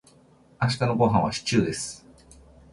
明日のごはんはシチューです。